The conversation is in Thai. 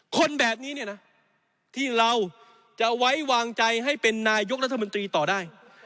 คนแบบนี้เนี่ยนะที่เราจะไว้วางใจให้เป็นนายกรัฐมนตรีต่อได้